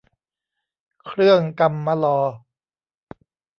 เครื่องกำมะลอ